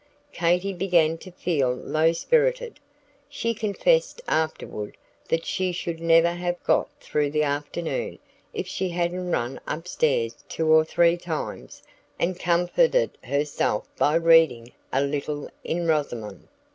Katy began to feel low spirited. She confessed afterward that she should never have got through the afternoon if she hadn't run up stairs two or three times, and comforted herself by reading a little in "Rosamond."